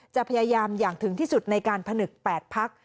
จะพยายามอย่างถึงที่สุดในการผนึก๘พัก